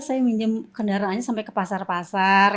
saya minjem kendaraannya sampai ke pasar pasar